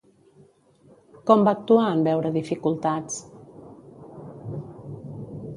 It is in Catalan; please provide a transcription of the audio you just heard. Com va actuar en veure dificultats?